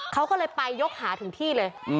เขาก็เลยไปยกหาถึงที่เลย